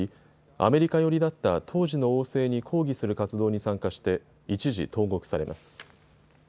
アメリカ寄りだった当時の王政に抗議する活動に参加して一時投獄されます。